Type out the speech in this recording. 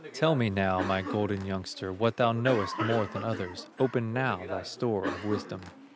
Tell me now, my golden youngster, What thou knowest more than others, Open now thy store of wisdom."